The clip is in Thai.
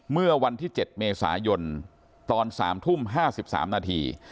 เมื่อวันที่๗เมษายนตอน๓ทุ่ม๕๓นาที